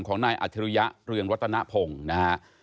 นายอัจฉริยะเรืองรัตนพงศ์นะฮะ